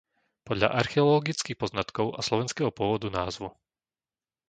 Podľa archeologických poznatkov a slovenského pôvodu názvu